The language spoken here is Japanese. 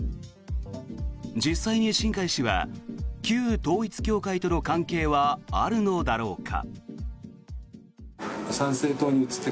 実際に新開氏は旧統一教会との関係はあるのだろうか。